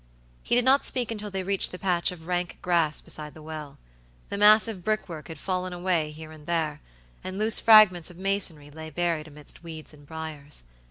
He did not speak until they reached the patch of rank grass beside the well. The massive brickwork had fallen away here and there, and loose fragments of masonry lay buried amidst weeds and briars.